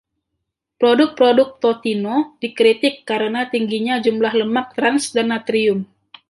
Produk-produk Totino dikritik karena tingginya jumlah lemak trans dan natrium.